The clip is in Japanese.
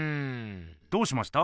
どうしました？